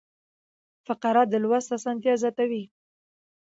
فقره د لوست اسانتیا زیاتوي.